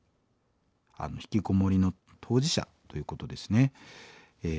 ひきこもりの当事者ということですね。